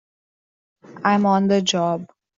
I'm on the job!